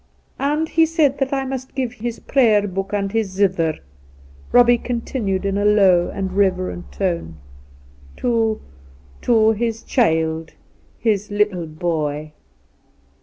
And he said that I must give his Prayer Book and his zither ' (Eobbie continued in a lower and reverent tone) ' to — ^to his child — his little boy.'